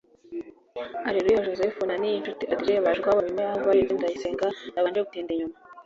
Areruya Joseph na Niyinshuti Adrien baje ukwabo nyuma yaho Valens Ndayisenga yabanje gutinda inyuma